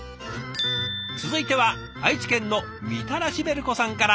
続いては愛知県のみたらしべるこさんから。